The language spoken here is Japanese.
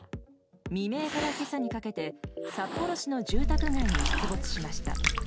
未明から今朝にかけて札幌市の住宅街に出没しました。